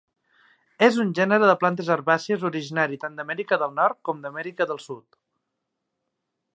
És un gènere de plantes herbàcies originari tant d'Amèrica del Nord com d'Amèrica del Sud.